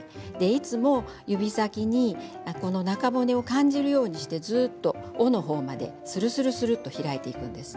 いつも指先に中骨を感じるようにして、ずっと尾のほうまでするするっと開いていくんです。